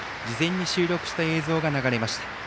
事前に収録した映像が流れました。